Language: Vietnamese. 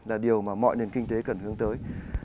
là điều mà mọi nền kinh tế cần hướng tới